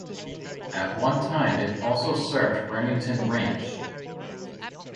At one time it also served Remington Ranch.